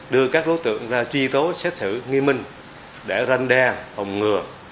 đưa các đối tượng ra truy tố xét xử nghiêm minh để răn đe hồng ngừa